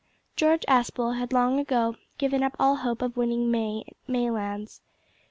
George Aspel had long ago given up all hope of winning May Maylands.